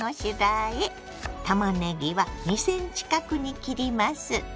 たまねぎは２ｃｍ角に切ります。